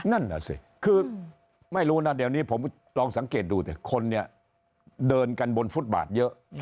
นั่นน่ะสิคือไม่รู้นะเดี๋ยวนี้ผมลองสังเกตดูสิคนเนี่ยเดินกันบนฟุตบาทเยอะ